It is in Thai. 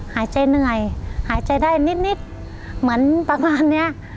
หายใจเหนื่อยหายใจได้นิดเหมือนประมาณเนี้ย